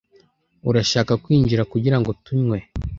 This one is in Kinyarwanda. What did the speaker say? Urashaka kwinjira kugirango tunywe?